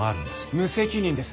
無責任です！